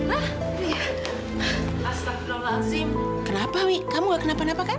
astagfirullahaladzim kenapa wi kamu gak kenapa napa kan